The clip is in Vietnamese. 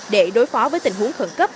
để đối phó với tình huống khẩn cấp